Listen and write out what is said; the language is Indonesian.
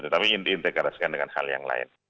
tapi ini diintegrasikan dengan hal yang lain